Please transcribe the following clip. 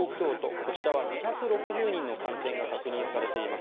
こちらは２６０人の感染が確認されています。